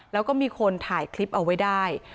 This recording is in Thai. แล้วก็มีคนถ่ายคลิปเอาไว้ได้